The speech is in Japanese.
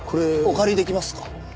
お借りできますか？